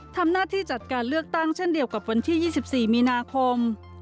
ทำหน้าที่จัดการเลือกตั้งเช่นเดียวกับวันที่๒๔มีนาคม